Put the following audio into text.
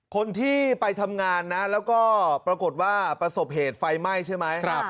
คนที่ไปทำงานนะแล้วก็ปรากฏว่าประสบเหตุไฟไหม้ใช่ไหม